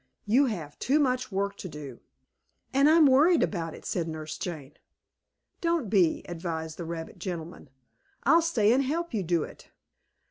You have too much work to do." "And I'm worried about it," said Nurse Jane. "Don't be," advised the rabbit gentleman. "I'll stay and help you do it."